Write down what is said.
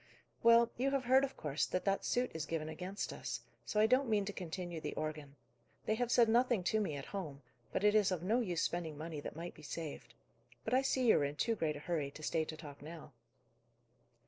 "Well, you have heard, of course, that that suit is given against us, so I don't mean to continue the organ. They have said nothing to me at home; but it is of no use spending money that might be saved. But I see you are in too great a hurry, to stay to talk now."